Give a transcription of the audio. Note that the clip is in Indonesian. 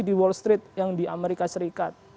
di wall street yang di amerika serikat